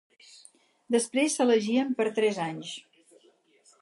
Després s'elegien per tres anys.